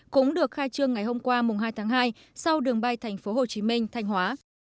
cũng được khai trương ngày hôm qua hai tháng hai sau đường bay thành phố hồ chí minh thanh hóa